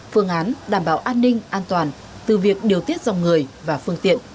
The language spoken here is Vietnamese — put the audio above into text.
phương án đảm bảo an ninh an toàn từ việc điều tiết dòng người và phương tiện